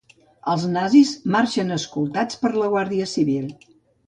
Els nazis marxen escoltats per la guàrdia civil.